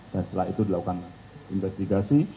dan setelah itu dilakukan investigasi